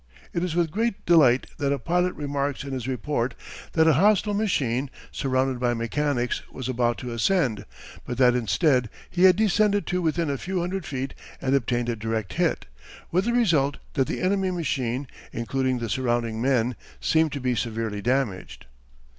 It is with great delight that a pilot remarks in his report that a hostile machine, surrounded by mechanics, was about to ascend, but that instead he had descended to within a few hundred feet and obtained a direct hit, with the result that the enemy machine, including the surrounding men, seemed to be severely damaged.